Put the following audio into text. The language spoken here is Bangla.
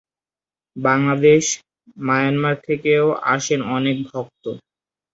বাংলাদেশ, মায়ানমার থেকেও আসেন অনেক ভক্ত।